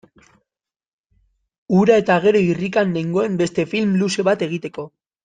Hura eta gero irrikan nengoen beste film luze bat egiteko.